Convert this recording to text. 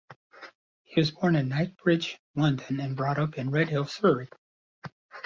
He was born in Knightsbridge, London, and brought up in Redhill, Surrey.